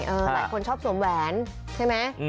หลายคนชอบสวมแหวนใช่ไหม